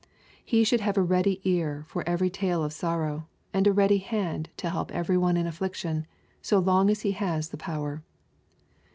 He should have a ready ear for every tale of sorrow, and a ready hand to help every^onelh affliction, so long as he has the power.'